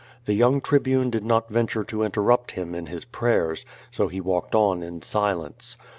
The young Tribune did not venture to inter rupt him in his prayers, so he walked on in silence.